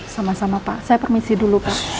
sama sama pak saya permisi dulu pak